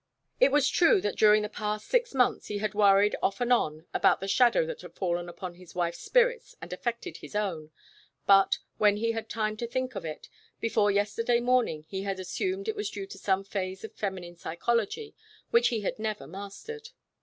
It was true that during the past six months he had worried off and on about the shadow that had fallen upon his wife's spirits and affected his own, but, when he had had time to think of it, before yesterday morning, he had assumed it was due to some phase of feminine psychology which he had never mastered.